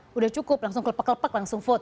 sudah cukup langsung kelepak kelepak langsung food